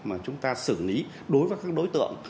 mà chúng ta xử lý đối với các đối tượng